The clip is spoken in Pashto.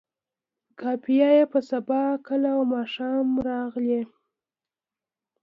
قافیه یې په سبا، کله او ماښام راغلې.